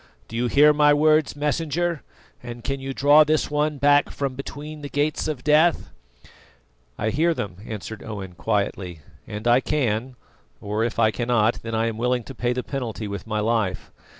Do you hear my words, Messenger, and can you draw this one back from between the Gates of Death?" "I hear them," answered Owen quietly; "and I can or if I cannot, then I am willing to pay the penalty with my life.